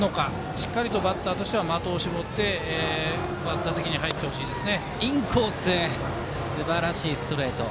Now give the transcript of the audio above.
しっかりとバッターとしては的を絞って打席に入ってほしいです。